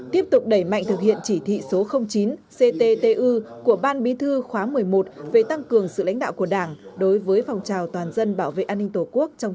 tiếp tục đẩy mạnh thực hiện chỉ thị số chín cttu của ban bí thư khóa một mươi một về tăng cường sự lãnh đạo của đảng